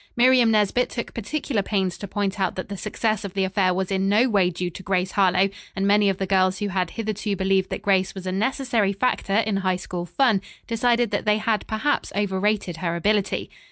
Miriam Nesbit took particular pains to point out that the success of the affair was in no way due to Grace Harlowe, and many of the girls who had hitherto believed that Grace was a necessary factor in High School fun, decided that they had perhaps overrated her ability.